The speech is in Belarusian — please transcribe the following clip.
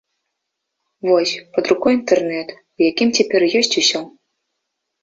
Вось, пад рукой інтэрнэт, у якім цяпер ёсць усё.